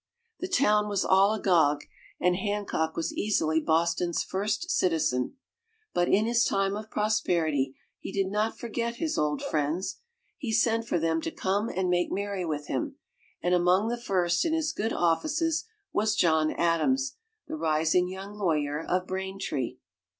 The town was all agog, and Hancock was easily Boston's first citizen, but in his time of prosperity he did not forget his old friends. He sent for them to come and make merry with him; and among the first in his good offices was John Adams, the rising young lawyer of Braintree.